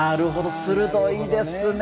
鋭いですね。